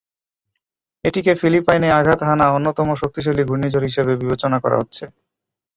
এটিকে ফিলিপাইনে আঘাত হানা অন্যতম শক্তিশালী ঘূর্ণিঝড় হিসেবে বিবেচনা করা হচ্ছে।